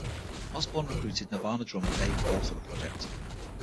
Osborne recruited Nirvana drummer Dave Grohl for the project.